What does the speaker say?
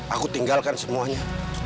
aku tinggalkan semuanya